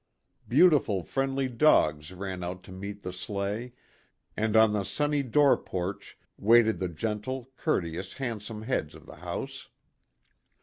Beautiful friendly dogs ran out to meet the sleigh and on the sunny door porch waited the gentle, courteous, handsome heads of the house.